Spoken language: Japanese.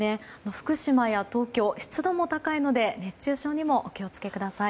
福島や東京湿度も高いので熱中症にもお気をつけください。